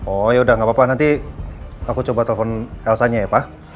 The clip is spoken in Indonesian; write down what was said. oh yaudah gak apa apa nanti aku coba telepon elsa nya ya pak